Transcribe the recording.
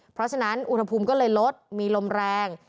เพราะฉะนั้นอุณหภูมิก็เลยลดมีลมแรง